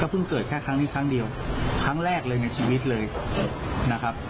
เพิ่งเกิดแค่ครั้งนี้ครั้งเดียวครั้งแรกเลยในชีวิตเลยนะครับ